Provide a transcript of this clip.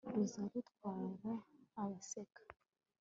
ruza rutwara abaseka